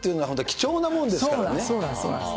貴重なものですからね。